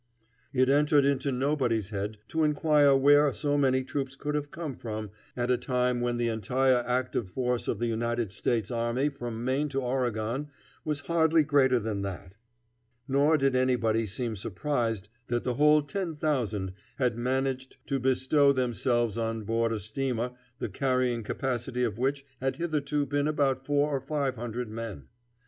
It entered into nobody's head to inquire where so many troops could have come from at a time when the entire active force of the United States army from Maine to Oregon was hardly greater than that; nor did anybody seem surprised that the whole ten thousand had managed to bestow themselves on board a steamer the carrying capacity of which had hitherto been about four or five hundred men.